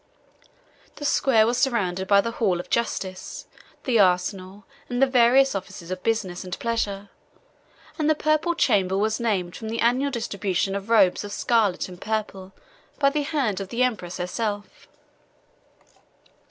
The square was surrounded by the hall of justice, the arsenal, and the various offices of business and pleasure; and the purple chamber was named from the annual distribution of robes of scarlet and purple by the hand of the empress herself.